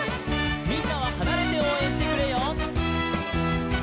「みんなははなれておうえんしてくれよ」